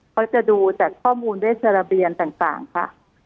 เขาจะดูจากข้อมูลด้วยศาลเบียนต่างค่ะครับ